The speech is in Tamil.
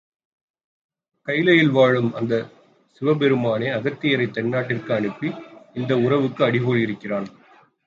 கைலையில் வாழும் அந்தச் சிவபெருமானே அகத்தியரைத் தென்னாட்டிற்கு அனுப்பி இந்த உறவுக்கு அடிகோலி இருக்கிறான்.